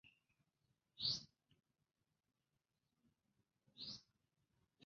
katika jumuia ya Afrika mashariki kutapanua biashara na ushirikiano wa kieneo